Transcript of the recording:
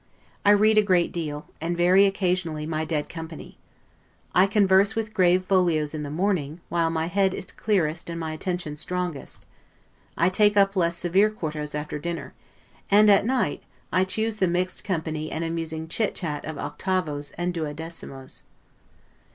I read a great deal, and vary occasionally my dead company. I converse with grave folios in the morning, while my head is clearest and my attention strongest: I take up less severe quartos after dinner; and at night I choose the mixed company and amusing chit chat of octavos and duodecimos.